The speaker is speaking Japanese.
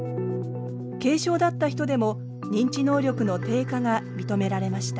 軽症だった人でも認知能力の低下が認められました。